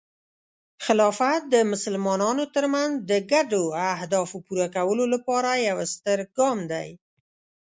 خلافت د مسلمانانو ترمنځ د ګډو اهدافو پوره کولو لپاره یو ستر ګام دی.